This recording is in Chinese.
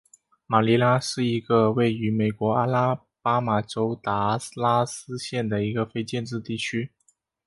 马尼拉是一个位于美国阿拉巴马州达拉斯县的非建制地区。